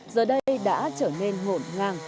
giờ đây đã trở nên hổn ngang